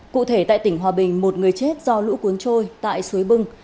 cụ thể tại tỉnh hòa bình một người chết do lũ cuốn trôi tại suối bưng